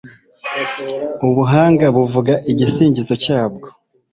ubuhanga buvuga igisingizo cyabwo